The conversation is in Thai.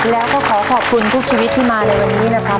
แล้วก็ขอขอบคุณทุกชีวิตที่มาในวันนี้นะครับ